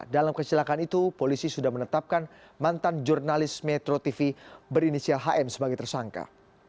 dalam kecelakaan itu polisi sudah menetapkan mantan jurnalis metro tv berinisial hm sebagai tersangka